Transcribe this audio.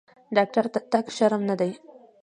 ډاکټر ته تګ شرم نه دی۔